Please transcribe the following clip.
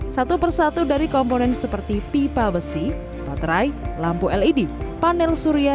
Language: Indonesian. satu persatu dari komponen seperti pipa besi baterai lampu led panel surya